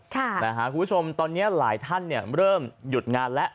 คุณผู้ชมตอนนี้หลายท่านเริ่มหยุดงานแล้ว